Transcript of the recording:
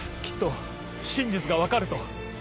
きっと真実が分かると。